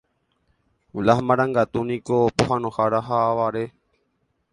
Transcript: Blas Marangatu niko pohãnohára ha avare.